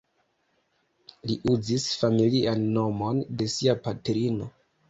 Li uzis familian nomon de sia patrino.